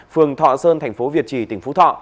phường thọ sơn thành phố việt trì tỉnh phú thọ